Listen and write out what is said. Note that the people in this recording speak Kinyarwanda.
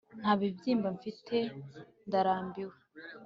nta bibyimba mfite, ndarambiwe